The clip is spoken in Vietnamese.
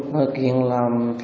điều kiện là